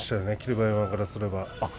馬山からすれば。